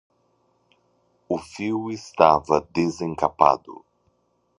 O fio estava desemcapado